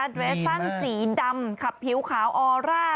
ดีมากสร้างสีดำขับผิวขาวออร่า